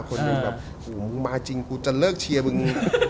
คนหนึ่งแบบหูมึงมาจริงกูจะเลิกเชียร์มึง